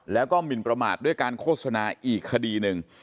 แล้วก็หมินประมาทด้วยการโฆษณาอีกคดีหนึ่ง